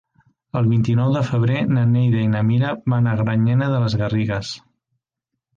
El vint-i-nou de febrer na Neida i na Mira van a Granyena de les Garrigues.